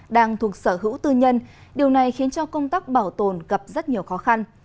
đang thuộc sở hữu tư nhân điều này khiến cho công tác bảo tồn gặp rất nhiều khó khăn